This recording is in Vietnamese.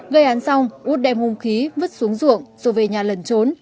gây án xong út đem hùng khí vứt xuống ruộng rồi về nhà lần trốn